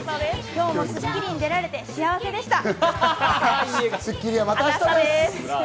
今日も『スッキリ』に出られて幸せでした！